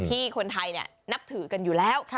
ที่คนไทยนับถือกันอยู่แล้ว